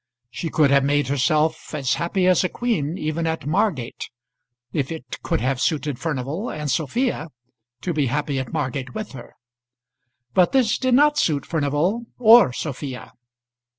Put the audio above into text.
She could have made herself as happy as a queen even at Margate, if it could have suited Furnival and Sophia to be happy at Margate with her. But this did not suit Furnival or Sophia.